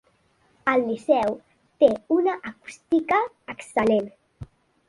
El Liceu té una acústica excel·lent.